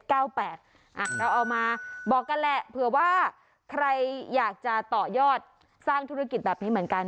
เราเอามาบอกกันแหละเผื่อว่าใครอยากจะต่อยอดสร้างธุรกิจแบบนี้เหมือนกัน